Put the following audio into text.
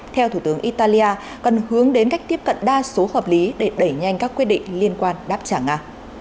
theo thủ tướng italia cần hướng đến cách tiếp cận đa số hợp lý để đẩy nhanh các quyết định liên quan đáp trả nga